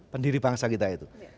pendiri bangsa kita itu